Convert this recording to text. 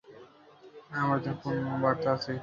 আমার জন্য কোন বার্তা আছে?